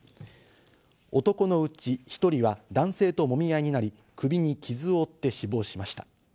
男のうち１人は男性ともみ合いになり、首に傷を負って死亡しました。